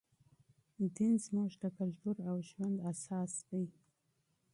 دین زموږ د کلتور او ژوند اساس دی.